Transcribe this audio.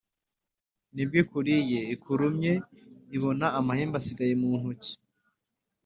ni bwo ikuruye, ikuruye ibona amahembe ayisigaye mu ntoki.